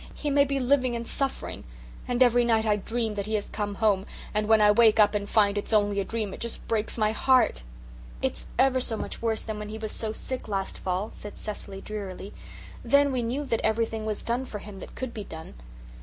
He may be living and suffering, and every night I dream that he has come home and when I wake up and find it's only a dream it just breaks my heart." "It's ever so much worse than when he was so sick last fall," said Cecily drearily. "Then we knew that everything was done for him that could be done."